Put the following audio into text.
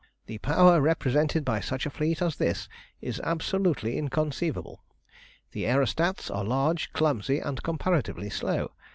"The power represented by such a fleet as this is absolutely inconceivable. The aerostats are large, clumsy, and comparatively slow.